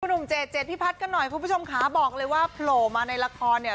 วันนุ่มเจทร์เจทร์พี่พัดก็หน่อยคุณผู้ชมค้าบอกเลยว่าโปรมาในละครเนี่ย